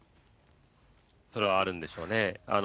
それはあるんでしょうね。